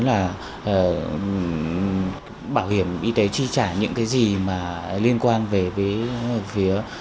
là bảo hiểm y tế tri trả những cái gì mà liên quan đến những cái gì